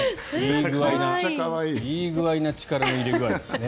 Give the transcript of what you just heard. いい具合な力の入れ具合ですね。